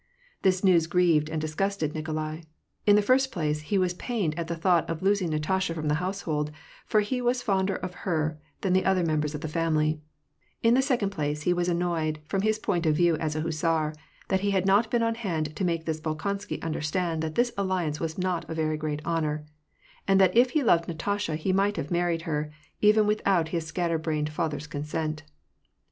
This news grieved and disgusted Nikolai. In the first place, he was pained at the thought of losing Natasha from the household, for he was fonder of her than the other members of the family : in the second place, he was annoyed, from his point of view as a hussar, that he had not been on hand to make this Bolkonsky understand that this alliance was not a very great honor; and that if he loved Natasha he might have married her, even without his scatter brained father's consent.